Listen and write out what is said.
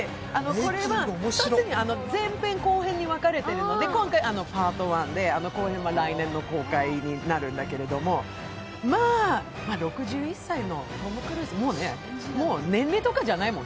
これは前編後編に分かれているので、今回「ＰＡＲＴＯＮＥ」で後編は来年の公開になるんだけれども、６１歳のトム・クルーズ、もう年齢とかじゃないもん。